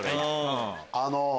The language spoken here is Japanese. あの。